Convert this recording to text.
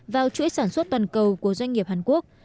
vào chuỗi sản xuất toàn cầu của doanh nghiệp hàn quốc